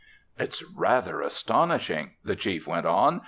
'" "It's rather astonishing," the Chief went on.